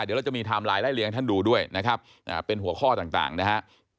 เดี๋ยวเราจะมีไทม์ไลน์ไล่เลี้ยให้ท่านดูด้วยนะครับเป็นหัวข้อต่างนะฮะ